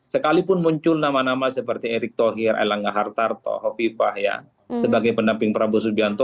sekalipun muncul nama nama seperti erick thohir elangga hartarto hovifah ya sebagai pendamping prabowo subianto